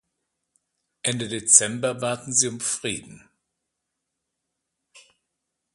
Ende Dezember baten sie um Frieden.